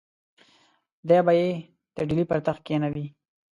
دی به یې د ډهلي پر تخت کښېنوي.